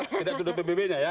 tidak sudah pbb nya ya